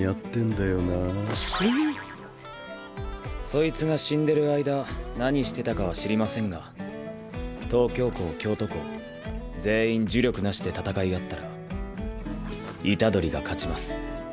そいつが死んでる間何してたかは知りませんが東京校京都校全員呪力なしで戦い合ったら虎杖が勝ちます。